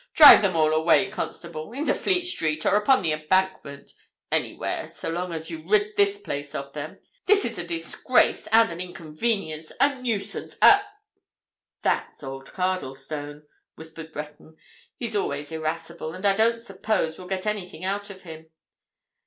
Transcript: "Drive them all away, constable—into Fleet Street or upon the Embankment—anywhere, so long as you rid this place of them. This is a disgrace, and an inconvenience, a nuisance, a——" "That's old Cardlestone," whispered Breton. "He's always irascible, and I don't suppose we'll get anything out of him.